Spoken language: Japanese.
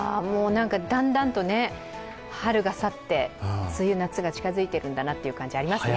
だんだんと春が去って、梅雨、夏が近づいているんだなという感じがありますね。